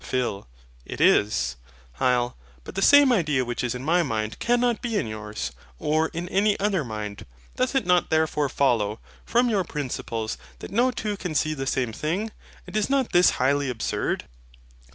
PHIL. It is. HYL. But the SAME idea which is in my mind cannot be in yours, or in any other mind. Doth it not therefore follow, from your principles, that no two can see the same thing? And is not this highly, absurd?